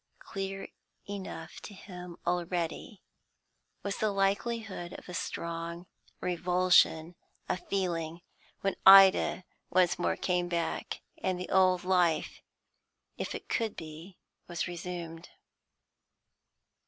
Clear enough to him already was the likelihood of a strong revulsion of feeling when Ida once more came back, and the old life if it could be was resumed.